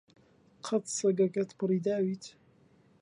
قەت سەگەکەت پڕی داویت؟